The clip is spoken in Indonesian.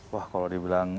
wah kalau dibilang